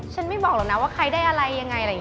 ฉันไม่บอกหรอกนะว่าใครได้อะไรยังไง